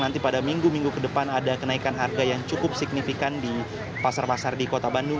nanti pada minggu minggu ke depan ada kenaikan harga yang cukup signifikan di pasar pasar di kota bandung